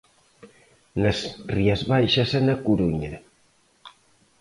Nas Rías Baixas e na Coruña.